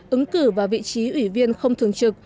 ứng cử vào vị trí ủy viên không thường trực